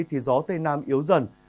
thì gió tây nam yếu dần